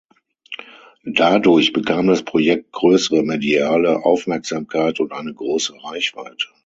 Dadurch bekam das Projekt größere mediale Aufmerksamkeit und eine große Reichweite.